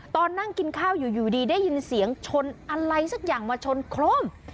ตอนนั่งกินข้าวอยู่ดีได้ยินเสียงชนอะไรสักอย่างมาชนโครม